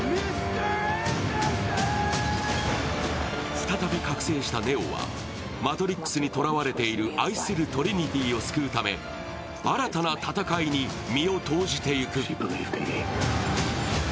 再び覚醒したネオはマトリックスにとらわれている愛するトリニティーを救うため新たな戦いに身を投じていく。